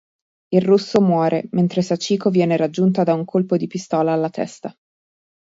Il russo muore, mentre Sachiko viene raggiunta da un colpo di pistola alla testa.